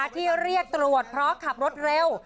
ที่เรียกตรวจเพราะขับรถเร็ว